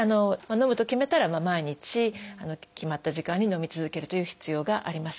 のむと決めたら毎日決まった時間にのみ続けるという必要があります。